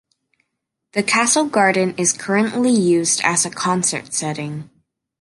The castle garden is currently used as a concert setting.